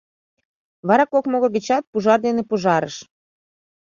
Вара кок могыр гычат пужар дене пужарыш.